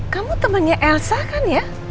kamu temannya elsa kan ya